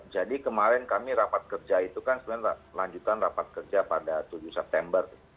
jadi kemarin kami rapat kerja itu kan sebenarnya lanjutan rapat kerja pada tujuh september